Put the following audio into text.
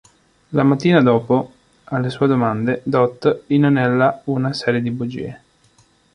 La mattina dopo, alle sue domande, Dot inanella una serie di bugie.